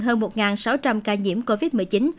hơn một sáu trăm linh ca nhiễm covid một mươi chín